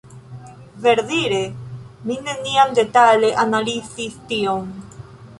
Verdire mi neniam detale analizis tion.